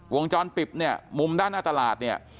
วงจรปิดเนี่ยมุมด้านหน้าตลาดเนี่ย